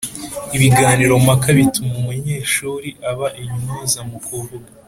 Ibiganiro mpaka bituma umunyeshuri aba intyoza mu kuvuga,